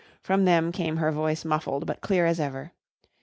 From them came her voice muffled, but clear as ever.